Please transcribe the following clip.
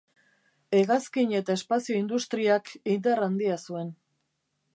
Hegazkin eta espazio industriak indar handia zuen.